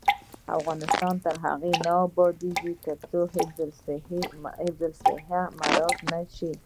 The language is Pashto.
افغانستان تر هغو نه ابادیږي، ترڅو حفظ الصحه مراعت نشي.